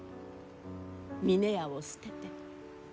峰屋を捨てて。